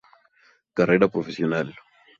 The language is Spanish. Carrera Profesional.